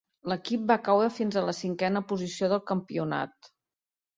L'equip va caure fins a la cinquena posició del campionat.